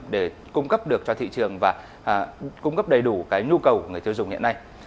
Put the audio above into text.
để cung cấp được cho thị trường và cung cấp đầy đủ cái nhu cầu của người tiêu dùng hiện nay